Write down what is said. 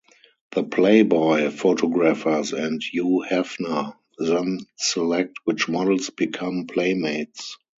The "Playboy" photographers and Hugh Hefner then select which models become Playmates.